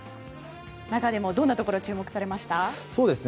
中でもどんなところ注目されましたか。